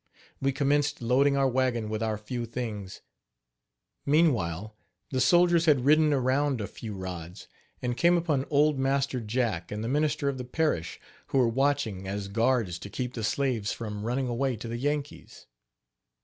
We commenced loading our wagon with our few things. Meanwhile the soldiers had ridden around a few rods and came upon old Master Jack and the minister of the parish, who were watching as guards to keep the slaves from running away to the Yankees.